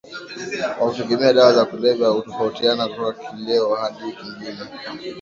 wa kutegemea dawa za kulevya hutofautiana kutoka kileo hadi kingine